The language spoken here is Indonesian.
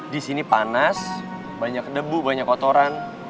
di sini panas banyak debu banyak kotoran